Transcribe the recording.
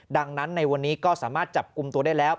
ดังนั้นในวันนี้ก็สามารถจับกลุ่มตัวได้แล้ว